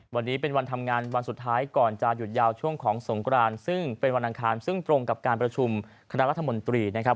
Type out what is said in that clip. วันนี้เป็นวันทำงานวันสุดท้ายก่อนจะหยุดยาวช่วงของสงกรานซึ่งเป็นวันอังคารซึ่งตรงกับการประชุมคณะรัฐมนตรีนะครับ